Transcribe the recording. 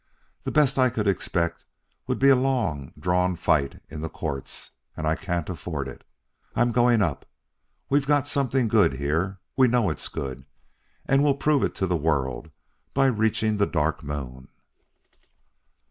The best I could expect would be a long drawn fight in the courts, and I can't afford it. I am going up. We've got something good here; we know it's good. And we'll prove it to the world by reaching the Dark Moon."